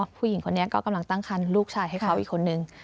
ผู้หญิงคนนี้ก็กำลังตั้งคันลูกชายให้เขาอีกคนนึง